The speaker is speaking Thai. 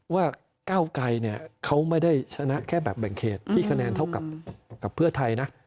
ว่าก้าวไกรเขาไม่ได้ชนะแค่แบบแบ่งเขตที่คะแนนเท่ากับเพื่อไทยนะ